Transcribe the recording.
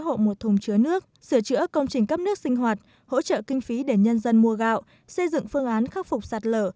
hộ một thùng chứa nước sửa chữa công trình cấp nước sinh hoạt hỗ trợ kinh phí để nhân dân mua gạo xây dựng phương án khắc phục sạt lở